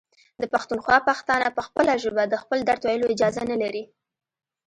د پښتونخوا پښتانه په خپله ژبه د خپل درد ویلو اجازه نلري.